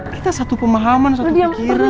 kita satu pemahaman satu pikiran